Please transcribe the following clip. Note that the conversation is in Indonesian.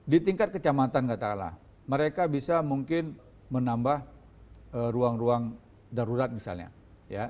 di tingkat kecamatan katakanlah mereka bisa mungkin menambah ruang ruang darurat misalnya ya